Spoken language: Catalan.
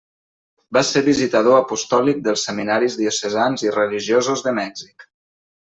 Va ser visitador apostòlic dels seminaris diocesans i religiosos de Mèxic.